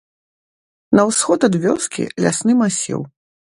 На ўсход ад вёскі лясны масіў.